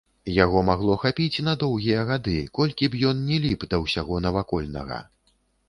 Яго магло хапіць на доўгія гады, колькі б ён ні ліп да ўсяго навакольнага.